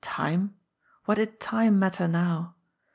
Time! What did time matter now?